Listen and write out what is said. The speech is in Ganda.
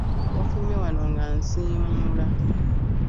Wafulumye wano nga nsiimuula.